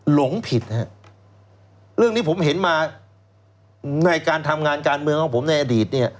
หลงผิดฮะเรื่องนี้ผมเห็นมาในการทำงานการเมืองของผมในอดีตเนี่ย